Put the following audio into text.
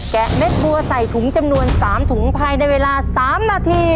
ะเม็ดบัวใส่ถุงจำนวน๓ถุงภายในเวลา๓นาที